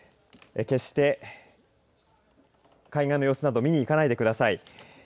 決して海岸の様子など見に行かないでください。